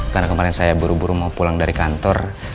karena kemarin saya buru buru mau pulang dari kantor